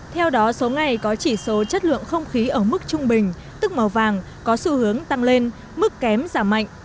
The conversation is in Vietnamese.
theo đó số ngày có chỉ số chất lượng không khí ở mức trung bình tức màu vàng có xu hướng tăng lên mức kém giảm mạnh